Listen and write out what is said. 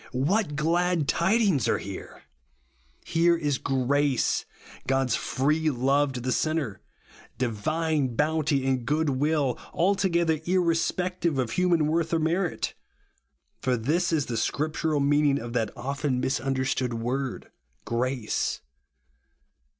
What glad tidings are here ! Here is GRACE ; God's free love to the sinner; divine bounty and goodwill, altogether ir respective of human worth or merit. For this is the scriptural meaning of that often misunderstood word "grace."